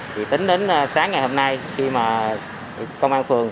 thì tính đến sáng ngày hôm nay khi mà công an phường